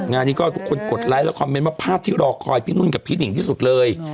งานนี้ก็ทุกคนกดไลค์และคอมเมนต์ว่าภาพที่รอคอยพี่นุ่นกับพี่หนิ่งที่สุดเลย